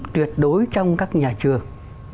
tuyệt đối trong các nhà trường